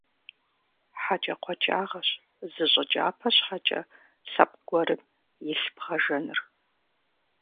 ХьэкӀэкхъуэкӀагъэщ зы щӀы кӀапэ щхьэкӀэ лъэпкъ гуэрым илъ бгъэжэныр.